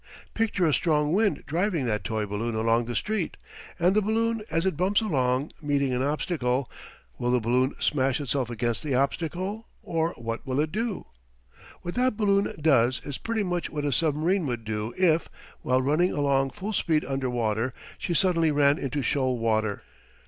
Picture a strong wind driving that toy balloon along the street, and the balloon, as it bumps along, meeting an obstacle: Will the balloon smash itself against the obstacle, or what will it do? What that balloon does is pretty much what a submarine would do if, while running along full speed under water, she suddenly ran into shoal water.